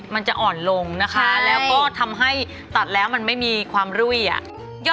มันจะอ่อนลงนะคะแล้วก็ทำให้ตัดแล้วมันไม่มีความรุ่ยอ่ะ